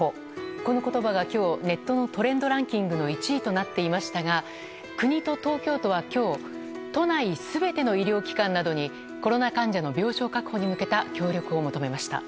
この言葉が今日ネットのトレンドランキングの１位になっていましたが国と東京都は今日都内全ての医療機関などにコロナ患者の病床確保に向けた協力を求めました。